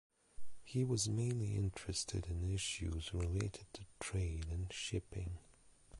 He was mainly interested in issues related to trade and shipping.